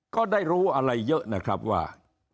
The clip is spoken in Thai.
ก็ได้รู้อะไรเยอะนะครับว่า